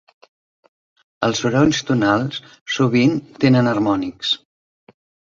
Els sorolls tonals sovint tenen harmònics.